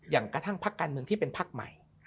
อย่างกระทั่งพักการเมืองที่เป็นพักใหม่